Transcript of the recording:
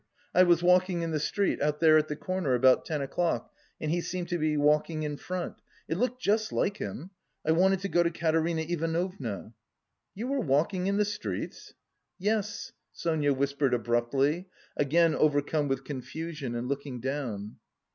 I was walking in the street, out there at the corner, about ten o'clock and he seemed to be walking in front. It looked just like him. I wanted to go to Katerina Ivanovna...." "You were walking in the streets?" "Yes," Sonia whispered abruptly, again overcome with confusion and looking down.